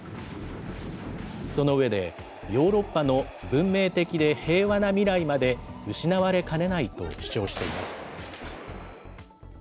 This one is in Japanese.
その上で、ヨーロッパの文明的で平和な未来まで失われかねないと主張しています。